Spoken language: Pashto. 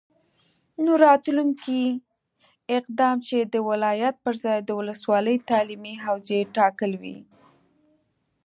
نو راتلونکی اقدام چې د ولایت پرځای د ولسوالي تعلیمي حوزې ټاکل وي،